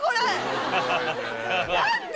何で？